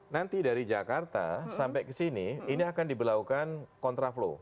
nanti dari jakarta sampai kesini ini akan diberlakukan contra flow